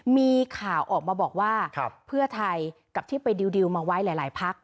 มีข่าวออกมาบอกว่าเพื่อไทยกับที่ไปดิวมาไว้หลายพัก